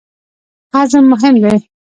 هضم مهم دی.